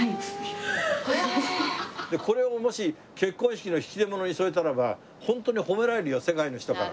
でこれをもし結婚式の引き出物にしといたらばホントに褒められるよ世界の人から。